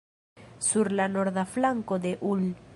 Sur la norda flanko de ul.